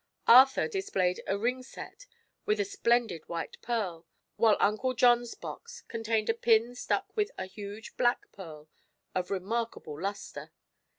Arthur displayed a ring set with a splendid white pearl, while Uncle John's box contained a stick pin set with a huge black pearl of remarkable luster.